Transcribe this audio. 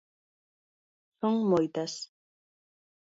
Son moitas.